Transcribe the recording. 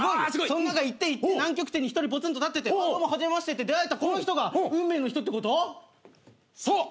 そん中行って行って南極点に一人ぽつんと立っててどうも初めましてって出会えた人が運命の人ってこと？